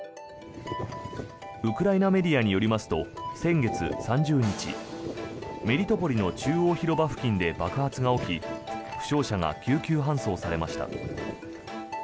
ウクライナメディアによりますと先月３０日メリトポリの中央広場付近で爆発が起き負傷者が救急搬送されました。